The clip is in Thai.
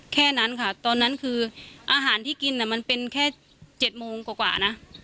แค่นั้นค่ะตอนนั้นคืออาหารที่กินมันเป็นแค่๗โมงกว่านะ